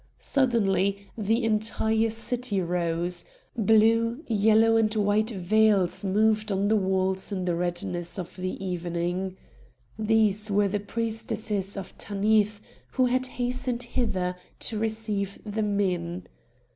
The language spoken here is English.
Suddenly the entire city rose; blue, yellow, and white veils moved on the walls in the redness of the evening. These were the priestesses of Tanith, who had hastened hither to receive the men.